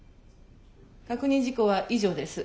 確認事項は以上です。